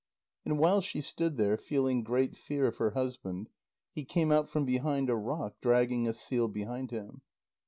And while she stood there feeling great fear of her husband, he came out from behind a rock, dragging a seal behind him.